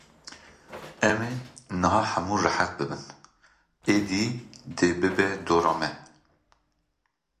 Ew ê niha hemû rihet bibin, êdî dê bibe dora me.